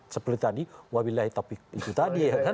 seperti tadi wabillahi topik itu tadi